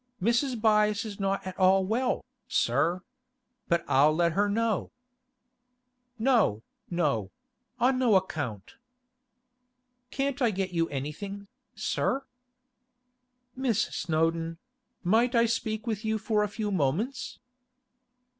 'Mrs. Byass is not at all well, sir. But I'll let her know—' 'No, no; on no account.' 'Can't I get you anything, sir?' 'Miss Snowdon—might I speak with you for a few moments?